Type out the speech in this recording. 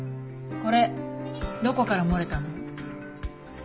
これどこから漏れたの？